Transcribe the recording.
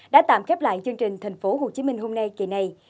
đã tạm khép lại chương trình thành phố hồ chí minh hôm nay kỳ này